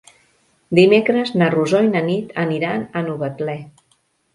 Dimecres na Rosó i na Nit aniran a Novetlè.